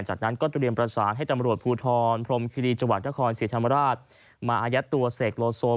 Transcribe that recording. จากนั้นก็เตรียมประสานให้ตำรวจภูทรพรมคิรีจังหวัดนครศรีธรรมราชมาอายัดตัวเสกโลโซ